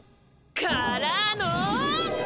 からのォ！